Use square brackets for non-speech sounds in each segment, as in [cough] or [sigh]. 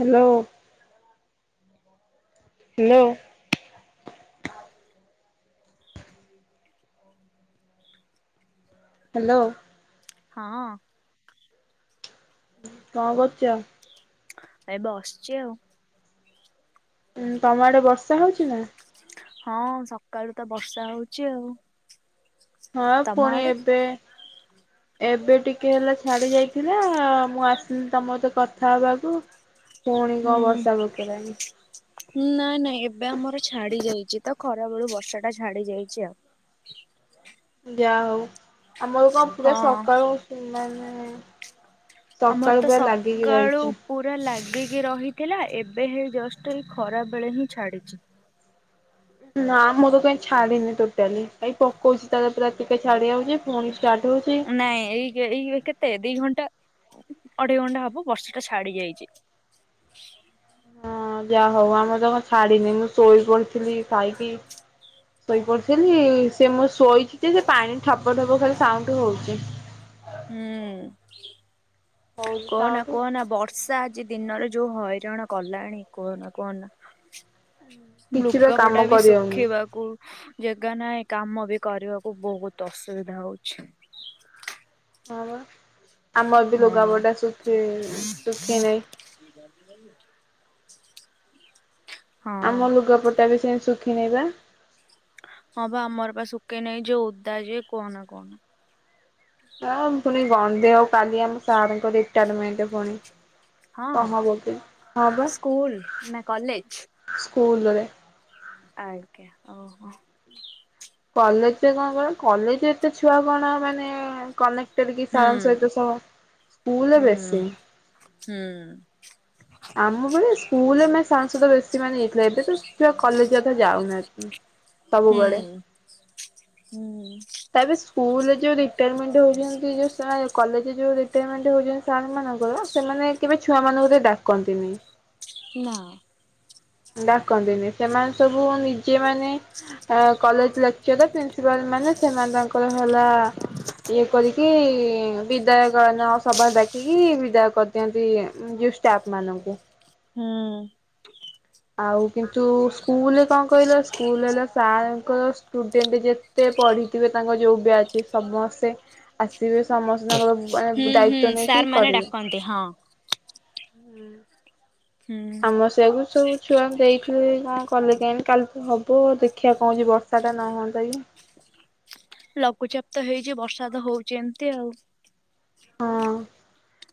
Hello. Hello. Hello. ହଁ। କଣ କରୁଛ? ଏବେ ବସଛି ଆଉ। ଉଁ ତମ ଆଡେ ବର୍ଷା ହଉଛିି ନା। ହଁ ସକାଳୁ ତ ବର୍ଷା ହଉଚି ଆଉ। ହଁ ତମ ଫୁଣି ଆଡେ? ଏବେ ଏବେ ଟିକେ ହେଲା ଛାଡି ଯାଇଥିଲା ମୁଁ ଆସିଲି ତମତେ କଥା ହବାକୁ ପୁଣି କଣ ହୁଁ। ବର୍ଷା ପକେଇଲାଣି ନାଇଁ ନାଇଁ ଏବେ ଆମର ଛାଡି ଯାଇଛି ତ ଖରା ବେଳୁ ବର୍ଷା ଟା ଛାଡି ଯାଇଛି ଆଉ। ଯାହା ହଉ ଆମର କଣ ପୁରା ହଁ ସକାଳୁ ମାନେ ଆମର ସକାଳୁ ତ ପୁରା ଲାଗିକି ସକାଳୁ ରହିଛି। ପୁରା ଲାଗିକି ରହିଥିଲା ଏବେ ହେ ଜଷ୍ଟ ଏ ଖରାବେଳେ ହିଁ ଛାଡ଼ିଛି। ନା ମୋର କାଇହିଁ ଛାଡିନି ଟୋଟାଲି ଏଇ ପକଉଛି ତାର ପୁରା ଛାଡୀ ଯାଉଚି। ନାଇଁ ଏଇ ଏଇ କେତେ ଦି ଘଣ୍ଟା ଅଢେଇ ଘଣ୍ଟା ହବ ବର୍ଷା ଟା ଛାଡି ଯାଇଛି। ହଁ ଯାହା ହଉ ଆମର ତ କଣ ଛାଡିିନି ମୁଁ ସୋଇ ପଡ଼ିଥିଲି ଖାଇକି। ଶୋଇପଡିଥିଲି ସେ ମୁଁ ଶୋଇଛି ଯେ ସେ ପାଣି ଠପ ଠପ ଖାଲି ସାଉଣ୍ଡ ହଉଛି। ହୁଁ ହଉଛି କହନା ସାଉଣ୍ଡ କହନା ବର୍ଷା ଆଜି ଦିନରେ ଯୋଉ ହଇରାଣ କଲାଣି କୁହନା କୁହନା। କିଛି ବା ଲୁଗାପଟା କାମ ବି କରିହଉନି ଶୁଖିବାକୁ ଜାଗା ନାହିଁ କାମ ବି କରିବାକୁ ବହୁତ ଅସୁବିଧା ହଉଛି। ହଁ ପା ଆମର ବି ହଁ ଲୁଗା ପଟା ଶୁଖି ସୁଖି ନାହିଁ। ହଁ ଆମ ଲୁଗପଟା ବି ସେ ଶୁଖିିନେଇବା। ହଁ ବା ଆମର ପା ଶୁକେଇ ନାହିଁ ଯ ଓଦା ଯିଏ କୁହନା କୁହନା। ହଁ ପୁଣି ଗନ୍ଧେ ଆଉ କାଲି ଆମ ସାର ଙ୍କ ରିଟାୟାରମେଣ୍ଟ ପୁଣି। କଣ ହଁ ହବ କି? ହଁ ବା ସ୍କୁଲ ନା କଲେଜ? ସ୍କୁଲରେ। ଆଜ୍ଞା ଓହୋ। କଲେଜରେ କଣ କଲେଜରେତେ ଛୁଆ କଣା ମାନେ କ ଯଦି କି ହୁଁ। ସାରଙ୍କ ସହିତ ସ ସ୍କୁଲରେ ହୁଁ ବେଶୀ। ହୁଁ। ଆମ ବେଳେ ସ୍କୁଲରେ ସାରଙ୍କ ସହିତ ବେଶୀ ସେମାନେ ଯାଇଥିଲେ ଏବେ ତ ସେ କଲେଜ ଅଧା ଯାଉନାହାନ୍ତି ସବୁବେଳେ। ହୁଁ ହୁଁ। ତା ପରେ ସ୍କୁଲରେ ଯୋଉ ରିଟାରମେଣ୍ଟ ହଉଛନ୍ତି ଯୋଉ କଲେଜରେ ଯୋଉ ରିଟାରମେଣ୍ଟ ହଉଛନ୍ତି ସାର୍ ଙ୍କର ସେମାନେ କେବେ ଛୁଆ ମାନଙ୍କୁ ଟିକେ ଡାକନ୍ତିନି। ନା। ଡ଼ାକନ୍ତିନି ସେମାନେ ସବୁ ନିଜେ ମାନେ ଆ କଲେଜ ଲେ ଚିଅଦା ପ୍ରିନ୍ସିପାଲ ମାନେ ସେମାନ ତାଙ୍କର ହେଲା ଇଏ କରି କି ବିଦାୟ କାଳୀନ ସଭା ଡ଼ାକିକି ବିଦାୟ କରିଦିଅନ୍ତି ଜୁ ଷ୍ଟାପ୍ ମାନଙ୍କୁ। ଉଁ। ଆଉ କିନ୍ତୁ ସ୍କୁଲରେ କଣ କହିଲ ସ୍କୁଲ ହେଲେ ସାରେ ଙ୍କର ଷ୍ଟୁଡେଣ୍ଟ ଯେତେ ପଢ଼ିଥିବେ ତାଙ୍କ ଯୋଉ ବ୍ୟାଚେ ସମସ୍ତେ ଆସିବେ ସମସ୍ତଙ୍କ ମାନେ ଦାୟିତ୍ୱ ନେଇକି କରିବେ। କନ୍ତି ହଁ। ହୁଁ ହୁଁ ଆମ ସେଗୁ ସବୁ ଛୁଆଙ୍କୁ ଦେଇଥି କଣ କଲେ କେୟାଣି କାଲି ତ ହବ ଦେଖିଆ କଣ ହଉଚି ବର୍ଷାଟା ନ ହୁଅନ୍ତା କି ଲଘୁଚାପ ତ ହେଇଚି ବର୍ଷା ତ ହୋଉଚି ଏମିତି ଆଉ।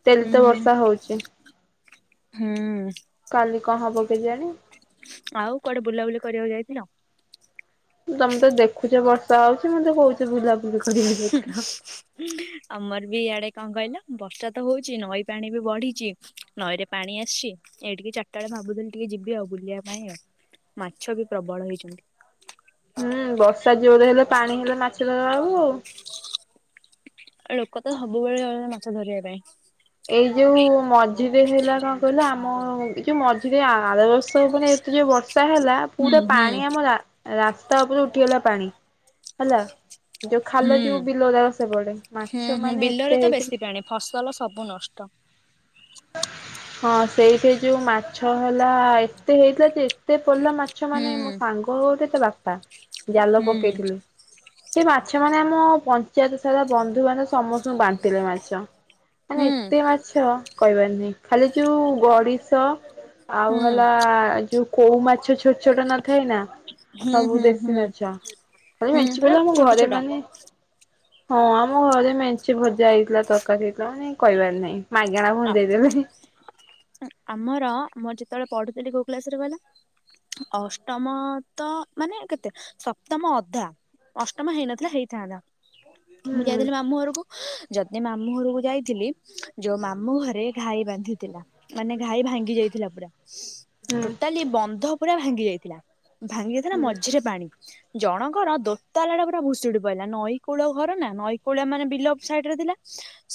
ଡ଼େଲି ତ ହୁଁ ବର୍ଷା ହୋଉଚି। ହୁଁ। କାଲି କଣ ହବ କେଜାଣି? ଆଉ କୁଆଡ଼େ ବୁଲାବୁଲି କରିବାକୁ ଯାଇଥିଲ? ତମେ ତ ଦେଖୁଚ ବର୍ଷା ହଉଛି ମତେ କହୁଚ ବୁଲାବୁଲି କରିବାକୁ ଯାଇଥିଲ। ହୁଁ। ଆମର ବି ଇଆଡ଼େ କଣ କହିଲ ବର୍ଷା ତ ହୋଉଛି ନଈ ପାଣି ବି ବଢ଼ିଚି ନଈରେ ପାଣି ଆସିଛି। ଏଇ ଟିକେ ଚାରିଟା ବେଳେ ଭାବୁଥିଲି ଟିକେ ଯିବି ଆଉ ବୁଲିବା ପାଇଁ ଆଉ ମାଛ ବି ପ୍ରବଳ ହେଇଛନ୍ତି। ହୁଁ ବର୍ଷା ଜୋରରେ ହେଲେ ପାଣି ହେଲେ ମାଛ ଧରା ହବ ଆଉ। ଲୋକ ତ ସବୁବେଳେ ଯାଉଛନ୍ତି ମାଛ ଧରିବା ପାଇଁ। ଏଇ ଯୋଉ ମଝିରେ ହେଲା କଣ କହିଲ ଆମ ଏ ଯୋଉ ମଝିରେ ଆର ବର୍ଷ ମାନେ ସେ ଯୋଉ ବର୍ଷା ହେଲା ହୁଁ ପୁରା ହୁଁ ପାଣି ଆମ ରା ରାସ୍ତା ଓପରେ ଉଠିଗଲା ପାଣି। ହେଲା ଯୋଉ ହୁଁ ଖାଲ ଯୋଉ ବିଲରା ସବୁଆଡ଼େ ହୁଁ ମାଛ ହୁଁ ମାନେ ବିଲରେ ଏତେ ତ ହେଇଥିଲା ବେଶୀ ପାଣି ଫସଲ ସବୁ ନଷ୍ଟ। ହଁ ସେଇଠି ଯୋଉ ମାଛ ହେଲା ଏତେ ହେଇଥିଲା ଯେ ଏତେ ପଡ଼ିଲା ମାଛ ହୁଁ ମାନେ ମୋ ସାଙ୍ଗ ବୋଉ ଗୋଟେ ତା ବାପା ଜାଲ ହୁଁ ପକେଇଥିଲୁ। ସେ ମାଛ ମାନେ ଆମ ପଞ୍ଚାୟତ ସାରା ବନ୍ଧୁ ବାନ୍ଧବ ସମସ୍ତଙ୍କୁ ବାଣ୍ଟିଲେ ମାଛ। ମାନେ ହୁଁ ଏତେ ମାଛ କହିବାର ନାହିଁ ଖାଲି ଯୋଉ ଗଡ଼ିଶ ଆଉ ହୁଁ ହେଲା ଯୋଉ କୋଉ ମାଛ ଛୋଟ ଛୋଟ ନଥାଏ ନା। ହୁଁ ସବୁ ହୁଁ ଦେଶୀ ହୁଁ ମାଛ ଖାଲି ହୁଁ ମେଚି ପୁରା ପିଲ ଆମ ଛୋଟ ଘରେ ଛୋଟ ମାନେ ହଁ ଆମ ଘରେ ମେଞ୍ଚି ଭଜା ହେଇଥିଲା ତରକାରୀ ହେଇଥିଲା ମାନେ କହିବାର ନାହିଁ ମାଗଣା ମୁ ଆ ଦେଇଦେଲି। ଆମର ଆମର ଯେତେବେଳେ ପଢ଼ୁଥିଲି କୋଉ କ୍ଲାସରେ କହିଲ ଅଷ୍ଟମ ତ ମାନେ କେତେ ସପ୍ତମ ଅଧା ଅଷ୍ଟମ ହେଇନଥିଲା ହେଇଥାନ୍ତା। ହୁଁ ମୁଁ ଯାଇଥିଲି ମାମୁଁ ଘରକୁ ଯଦି ମାମୁଁ ଘରକୁ ଯାଇଥିଲି ଯୋଉ ମା ମୁ ଘରେ ଘାଇ ବାନ୍ଧିଥିଲା ମାନେ ଘାଇ ଭାଙ୍ଗି ଯାଇଥିଲା ପୁରା। ହୁଁ ଟୋଟାଲି ବନ୍ଧ ପୁରା ଭାଙ୍ଗି ଯାଇଥିଲା ଭାଙ୍ଗି ଯାଇଥିଲା ହୁଁ ମଝିରେ ପାଣି। ଜଣଙ୍କର ଦୋତାଲାଟେ ପୁରା ଭୁସିଡ଼ି ପଇଲା ନଈକୂଳ ଘର ନା ନଈକୂଳ ମାନେ ବିଲ ସାଇଡ଼ ରେ ଥିଲା।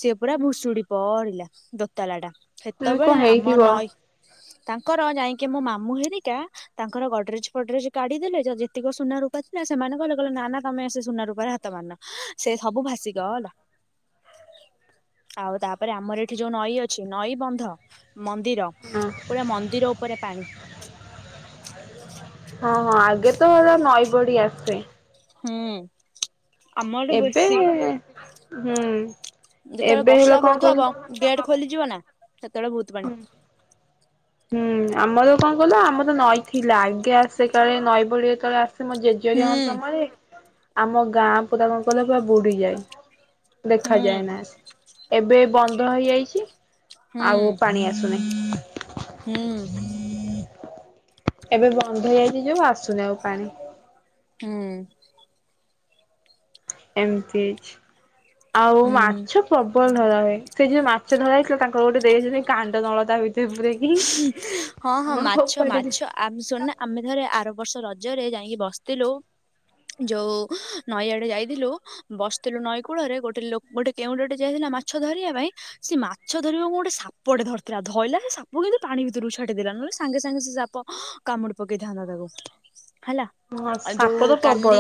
ସିଏ ପୁରା ଭୁଷୁଡ଼ି ପଇଲା ଦୋତାଲାଟା ହୁଁ କଣ ସେତେବେଳେ ଆମ ହେଇଥିବ ନଈ ତାଙ୍କର ଯାଇଙ୍କି ମୋ ମାମୁଁ ହେରିକା ତାଙ୍କର ଗଡ୍ରେଜ ଫଡରେଜ କାଢ଼ିଦେଲେ ଯ ଯେତିକ ସୁନା ରୂପା ଥିଲା ସେମାନେ କହିଲେ କହିଲେ ନା ନା ତମେ ସେ ସୁନା ରୂପାରେ ହା ତ ମାନା ସେ ସବୁ ଭାଷି ଗଲା। ଆଉ ତାପରେ ଆମର ଏ ଥି ଯୋଉ ନଈ ଅଛି ନଈ ବନ୍ଧ ମନ୍ଦିର ହଁ ପୁରା ମନ୍ଦିର ଓପରେ ପାଣି। ହଁ ହଁ ଆଗେ ତ ତା ନଈ ବଢ଼ି ଆସେ। ହୁଁ। ଆମ ଆଡେ ଏବେ ବେଶୀ ହୁଁ ଯେତେବେଳେ ଏବେ ବର୍ଷା ହେଲା କଁ ବହୁତ ହବ କହିଲୁ? ଗେଟ୍ ଖୋଲିଯିବ ନାଁ ସେତେଳେ ଭୋଉତ ପାଣି। ହୁଁ ଆମର କଁ କହିଲ ଆମର ନଈ ଥିଲା ଆଗେ ଆସେ କାଳେ ନଈ ବଢ଼ି ଏତଳେ ଆ ସେ ମୋ ଜେଜେ ହରିଆଙ୍କ ହୁଁ ସମୟରେ ଆମ ଗାଁ ପୁରା କଁ କହିଲ ପୁରା ବୁଡ଼ି ଯାଏ। ହୁଁ ଦେଖାଯାଏନା ଏବେ ବନ୍ଧ ହେଇଯାଇଚି। ଆଉ ହୁଁ ପାଣି ଆସୁନେଇ। ହୁଁ। ଏବେ ବନ୍ଧ ହେଇଯାଇଚି ଯୋଉ ଆସୁନି ଆଉ ପାଣି। ହୁଁ। ଏମତି ହେଇଛି। ଆଉ ହୁଁ ମାଛ ପ୍ରବଳ ଧରା ହୁଏ। ସେ ଯୋଉ ମାଛ ଧରା ହେଇଥିଲା ତାଙ୍କର ଗୋଟେ ଦେଇଚନ୍ତି କାଣ୍ଡନଳ ତା ଭିତରେ ପୁରେଇକି। ହଁ ହଁ ମାଛ ମାଛ ଆମେ ଶୁଣୁନା ଆମେ ଥରେ ଆର ବର୍ଷ ରଜରେ ଯାଇଁକି ବସଥିଲୁ ଯୋଉ ନଈ ଆଡ଼େ ଯାଇଥିଲୁ। ବସିଥିଲୁ ନଈକୂଳରେ ଗୋଟେ ଲୋ ଗୋଟେ କେଉଁଟଟେ ଯାଇଥିଲା ମାଛ ଧରିବା ପାଇଁ। ସିଏ ମାଛ ଧରିବ ଗୋଟେ ସାପଟେ ଧରିଥିଲା ଧରଲା ସେ ସା ବୁ କିନ୍ତୁ ପାଣି ଭିତରୁକୁ ଛାଟିଦେଲା ନହଲେ ସାଙ୍ଗେ ସାଙ୍ଗେ ସେ ସାପ କାମୁଡ଼ି ପକେଇଥାନ୍ତା ତାକୁ ହେଲା। ହଁ ଆ ସାପ ଯୋଉ ତ କାଲି ପ୍ରବଳ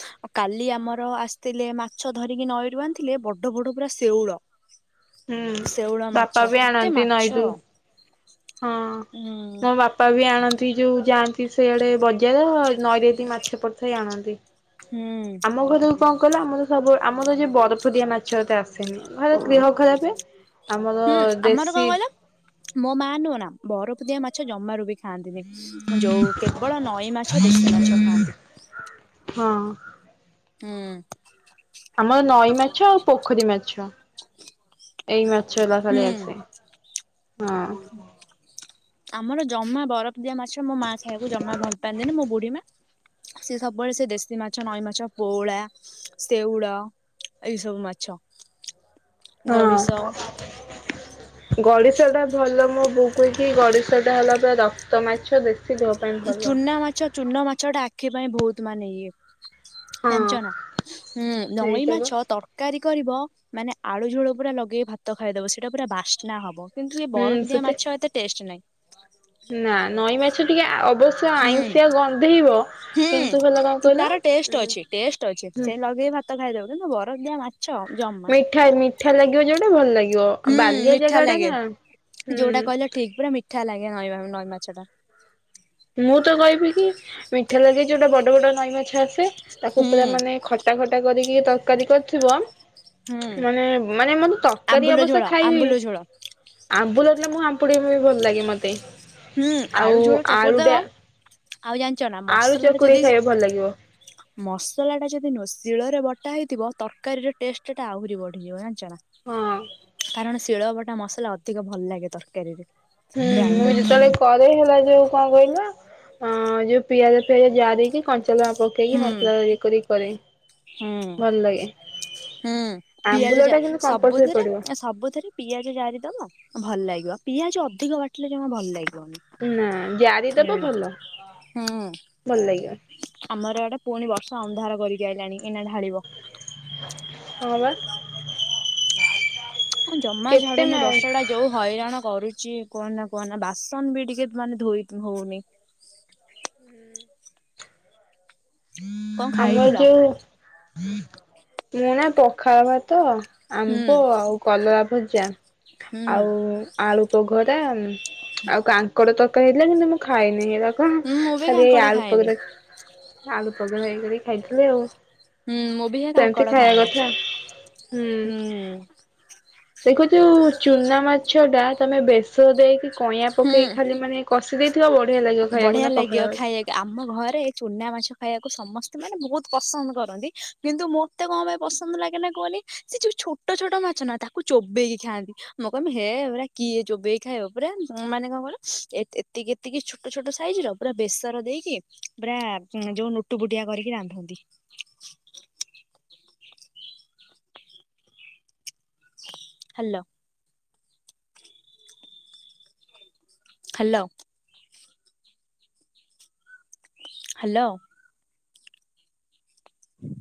ଆଉ କାଲି ଆମର ଆସିଥିଲେ ମାଛ ଧରିକି ନଈରୁ ଆଣିଥିଲେ ବଡ଼ ବଡ଼ ପୁରା ଶେଉଳ। ହୁଁ ଶେଉଳ ମାଛ ବାପା ବି କେତେ ଆଣନ୍ତି ମାଛ ନଈରୁ। ହଁ ହୁଁ ମୋ ବାପା ବି ଆଣନ୍ତି ଯୋଉ ଯାଆନ୍ତ୍ ଇ ସେଇଆଡ଼େ ବଜାର ନଈରେ ଏଦି ମାଛ ପଡ଼ିଥାଏ ଆଣନ୍ତି। ହୁଁ। ଆମ ଘରୁକୁ କଁ କଇଲ ଆମର ସବୁ ଆମର ଯେ ବରଫ ଦିଆ ମାଛ ଏତେ ଆସେନି, ଘରେ ଗ୍ରିହ ଖରାପେ। ଆମର ହୁଁ ଆମର କଣ ଦେଶୀ କହିଲ ମୋ ମା ନୁହଁ ନା ବରଫ ଦିଆ ମାଛ ଜମାରୁ ବି ଖାଆନ୍ତିନି ମୁଁ ଯୋଉ କେବଳ ନଈ ମାଛ ଦେଶୀ ମାଛ ଖାଆନ୍ତି। ହଁ ହୁଁ ଆମର ନଈ ମାଛ ଆଉ ପୋଖରୀ ମାଛ। ଏଇ ମାଛଲା ହୁଁ ଖାଲି ଆସେ ହଁ। ଆମର ଜମା ବରଫ ଦିଆ ମାଛ ମୋ ମା ଖାଇବାକୁ ଜମା ଭଲ ପାଆନ୍ତିନି, ମୋ ବୁଢୀ ମା ସିଏ ସବୁବେଳେ ସେ ଦେଶୀ ମାଛ ନଈ ମାଛ ପୋଉଳା, ଶେଉଳ ଏଇ ସବୁ ମାଛ ଗଡି଼ଶ [inaudible] ଗଡି଼ଶଟା ଭଲ, ମୋ ବୋଉ କୁହେ କି ଗଡି଼ଶଟା ହେଲା ପୁରା ରକ୍ତ ମାଛ ଦେଶୀ ଧ ଚୁନା ମାଛ ଚୁନା ମାଛଟା ଆଖି ପାଇଁ ଭୋଉତ୍ ମାନେ ଇଏ। ହଁ ଜାଣଚ ନା? ହୁଁ ନଈ ସେଇଟା ବା ମାଛ ତଡ଼ କାରୀ କରିବ ମାନେ ଆଳୁ ଝୋଳ ପୁରା ଲଗେଇ ଭାତ ଖାଇଦବ ସେଟା ପୁରା ବାସ୍ନା ହବ। କିନ୍ତୁ ସେ ହୁଁ ବରଫ ଦିଆ ମାଛ ଏତେ ଟେଷ୍ଟ ନାହିଁ। ନାଉ ନଈ ମାଛ ଟିକେ ଆ ଅବଶ୍ୟ ହୁଁ ଆଇଁଷିଆ ଗନ୍ଧେଇବ ହୁଁ କିନ୍ତୁ ହେଲା କଣ କହିଲ ତାର ଉଁ ଟେଷ୍ଟ ଅଛି ଟେଷ୍ଟ ଅଛି ହୁଁ ସେ ଲଗେଇ ଭା ତ ଖାଇଦବ, କିନ୍ତୁ ବରଫ ଦିଆ ମାଛ ଜମ ମିଠା ମିଠା ଲାଗିବ ଯୋଉଟା ଭଲ ଲାଗିବ ହୁଁ ବାଲିଆ ମିଠା ଜାଗାଟା ଲାଗେ ନା ହୁଁ। ଯୋଉଟା କହିଲ ଠିକ ପୁରା ମିଠା ଲାଗେ ହଁ [unintelligible] ନଈ ମାଛଟା। ମୁଁ ତ କହିବି କି ମିଠା ଲାଗେ ଯୋଉଟା ବଡ ବଡ ନଈ ମାଛ ଆସେ ତାକୁ ହୁଁ ପୁରା ମାନେ ଖ ଖଟା ଖଟା କରିକି ତରକାରୀ କରିଥିବ। ହୁଁ ମାନେ ମାନେ ମୁଁ ତ ତରକାରୀ ଆମ୍ବୁଲ ଅବଶ୍ୟ ଝୋଳ ଖାଇବି। ଆମ୍ବୁଲ ଝୋଳ ଆମ୍ବୁଲ ହେଇଥିଲା ମୁଁ ଆମ୍ପୁଡିବି ଭଲ ଲାଗେ ମତେ। ହୁଁ ଆଳୁ ଝୋଳ ଚ ଆଳୁ ଟା ଆଉ ଜାଣିଚ ନା। ଆଳୁ ମସଲା ଟା ଯଦି ଚକୁଡିକି ଖାଇବ ଭଲ ଲାଗିବ। ମସଲା ଟା ଯଦି ନୁହ ଶିଳରେ ବଟା ହେଇଥିବ ତରକାରୀ ର ଟେଷ୍ଟ ଟା ଆହୁରି ବଢିଯିବ ଜା ଚନା ହଁ କାରଣ ଶିଳ ବଟା ମସଲା ଅଧିକ ଭଲ ଲାଗେ ତରକାରୀରେ। ହୁଁ ମୁଁ ଗ୍ରାଇଣ୍ଡର ଠାରୁ ଯେତେବେଳେ ପରେ ହେଲା ଯୋଉ କଣ କହିଲ ଅଁ ଯୋଉ ପିଆଜ ଫିଆଜ ଜାରିକି କଞ୍ଚା ଲ ପକେଇକି ହୁଁ ମସଲା ଇଏ କରି କରେ ହୁଁ ଭଲ ଲାଗେ। ହୁଁ ଆମ୍ବୁଲ ପିଆଜ ଯା ଟା କିନ୍ତୁ କମ୍ପଲସରି ସବୁଥିରେ ପଡିବ। ଆ ସବୁଥିରେ। ପିଆଜ ଜାରି ଦବ ଭଲ ଲାଗିବ ପିଆଜ ଅଧିକ ବାଟିଲେ ଜମା ଭଲ ଲାଗିବନି। ନା ଜାରିଦବ ହୁଁ ଭଲ ହୁଁ ଭଲ ଲାଗିବ। ଆମର ଏଆଡେ ପୁଣି ବର୍ଷା ଅନ୍ଧାର କରିକି ଆଇଲାଣି ଏଇନା ଢାଳିବ। ହଁ ବା। ଜମା କେତେ ଛାଡୁନି ମା ବର୍ଷା ଡା ଯୋଉ ହଇରାଣ କରୁଚି କୁହ ନା କୁହ ନା ବାସନ ବି ଟିକେ ମାନେ ଧୋଇ ହଉନି। କଣ ଆମର ଖାଇଥିଲ? ଯୋଉ ମୁଁ ନା ପଖାଳ ଭାତ। ହୁଁ ଆମ୍ବ ଆଉ କଲଳା ଭଜା ହୁଁ ଆଉ ଆଳୁ ପଘରା। ଆଉ କାଙ୍କଡ ତରକାରୀ ହେଇଥିଲା କିନ୍ତୁ ମୁଁ ଖାଇନି ହେରାକ ହୁଁ ମୁଁ ବି ଖାଲି କାଙ୍କଡ ଆଳୁ ଖାଏନି। ପଘରା ଆଳୁ ପଘରା ଇଏ କରିକି ଖାଇଥିଲି ଆଉ। ହୁଁ ମୁଁ ବି ହେ ସେମିତି କାଙ୍କଡ ଖାଇବା ଖାଏନା। କଥା ହୁଁ ହୁଁ ଦେଖ ଯୋଉ ଚୁନା ମାଛ ଟା ତମେ ବେଶ ଦେଇକି କଇଁଆ ହୁଁ ପକେଇ ଖାଲି ମାନେ କଷି ଦେଇଥିବା ବଢିଆ ଲାଗିବ ବଢିଆ ଖାଇବାକୁ ନା ଲାଗିବ ପଖାଳ ଭାତ। ଖାଇବାକୁ ଆମ ଘରେ ଚୁନା ମାଛ ଖାଇବାକୁ ସମସ୍ତେ ମାନେ ବହୁତ ପସନ୍ଦ କରନ୍ତି କିନ୍ତୁ ମୁଁ ମତେ କଣ ପାଇଁ ପସନ୍ଦ ଲାଗେ ନା କୁହନି ସେ ଯୋଉ ଛୋଟ ଛୋଟ ମାଛ ନା ତାକୁ ଚୋବେଇକି ଖାଆନ୍ତି। ମୁଁ କହମି ହେ ଏ ଭଳିଆ କିଏ ଚୋବେଇ କି ଖାଇବ ପୁରା ମାନେ କଣ କହିଲ ଏତିକି ଏତିକି ଛୋଟ ଛୋଟ ସାଇଜ ର ପୁରା ବେସର ଦେଇକି ପୁରା ହୁଁ ଯୋଉ ଟୁବୁଟିଆ କରିକି ରାନ୍ଧନ୍ତି। [inaudible] ହାଲୋ। ହାଲୋ। ହାଲୋ। ହଁ [inaudible]